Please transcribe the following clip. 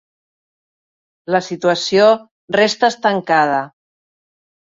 La situació resta estancada.